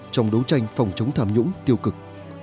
trong đấu tranh phòng chống tham nhũng tiêu cực